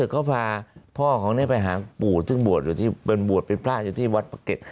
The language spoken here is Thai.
ก็พาพ่อของเนธไปหาปู่ซึ่งบวชเป็นบวชเป็นพราชอยู่ที่วัดปะเก็ต